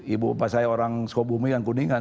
ibu bapak saya orang sukabumi dan kuningan